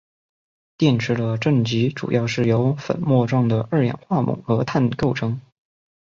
电池的正极主要是由粉末状的二氧化锰和碳构成。